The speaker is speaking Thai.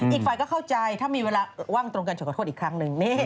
อีกฝ่ายก็เข้าใจถ้ามีเวลาว่างตรงกันจะขอโทษอีกครั้งหนึ่ง